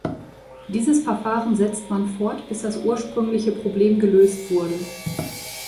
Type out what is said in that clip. Dieses Verfahren setzt man fort, bis das ursprüngliche Problem gelöst wurde.